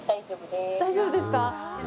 大丈夫です。